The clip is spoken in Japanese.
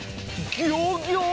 ギョギョ！